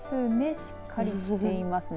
しっかり着ていますね。